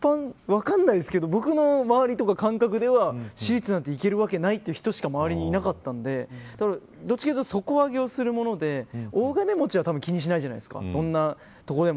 僕の周りや感覚では、私立なんて行けるわけないという人しか周りにいなかったのでどっちかというと底上げをするもので、大金持ちは気にしないじゃないですか。